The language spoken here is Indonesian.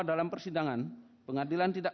dalam persidangan pengadilan tidak